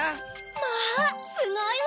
まぁすごいわ！